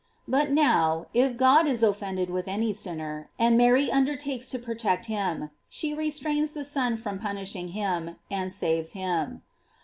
§ But now, if God is offen ded with any sinner, and Mary undertakes to protect him, she restrains the Sou from punish ing him, and saves him.